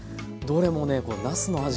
どれもねなすの味